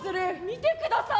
見てください。